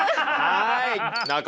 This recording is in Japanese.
はい。